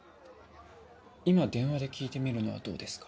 今電話で聞いてみるのはどうですか？